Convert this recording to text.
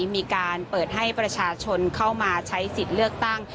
มีการเปิดให้ประชาชนเข้ามาใช้สิทธิ์เลือกตั้ง